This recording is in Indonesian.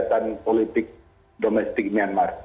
tidak ikut dengan kegiatan politik domestik myanmar